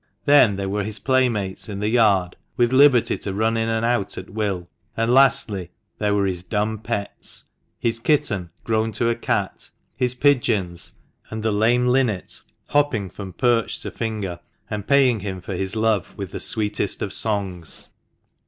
Then there were his playmates in the yard, with liberty to run in and out at will ; and lastly, there were his dumb pets — his kitten (grown to a cat), his pigeons, and the lame linnet, hopping from perch to finger, and paying him for his love with the sweetest of songs.